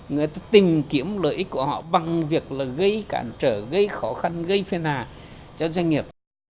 người ta tìm kiếm lợi ích của họ bằng việc là gây cản trở gây khó khăn gây phiền hà cho doanh nghiệp